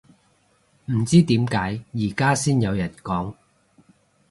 唔知點解而家先有人講